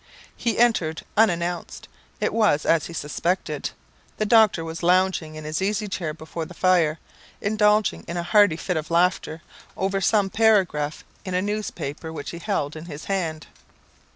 He entered unannounced. It was as he suspected. The doctor was lounging in his easy chair before the fire, indulging in a hearty fit of laughter over some paragraph in a newspaper, which he held in his hand.